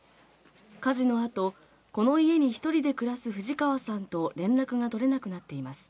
火事の後、この家に１人で暮らす藤川さんと連絡が取れなくなっています。